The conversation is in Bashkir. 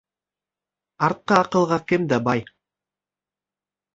Артҡы аҡылға кем дә бай.